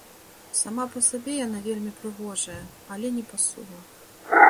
Сама па сабе яна вельмі прыгожая, але не пасуе.